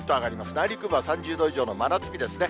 内陸部は３０度以上の真夏日ですね。